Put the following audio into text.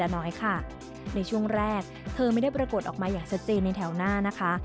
ในช่วงแรกเธอไม่ได้ปรากฏออกมาอย่างชัดเจนในแถวหน้านะคะ